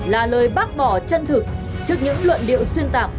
là lời bác bỏ chân thực trước những luận điệu xuyên tạc